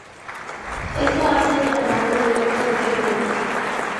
Esto ha sido llamado el efecto Ken Burns.